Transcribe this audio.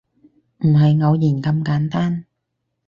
唔係偶然咁簡單